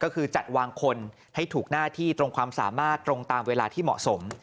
ก็คือจัดวางคนให้ถูกหน้าที่ตรงความสามารถตรงตามเวลาที่เหมาะสม